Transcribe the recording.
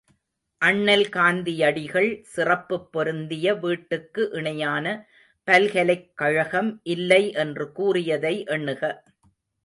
அண்ணல் காந்தியடிகள், சிறப்புப் பொருந்திய வீட்டுக்கு இணையான பல்கலைக்கழகம் இல்லை என்று கூறியதை எண்ணுக.